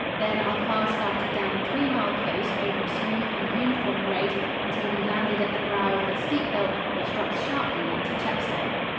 Then our car started down a three mile coast over a smooth and uniform grade until we landed at the brow of the steep hill which drops sharply into Chepstow.